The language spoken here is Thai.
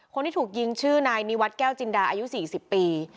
คนที่ถูกยิงชื่อนายนิวัตรแก้วจินดาอายุ๔๐ปี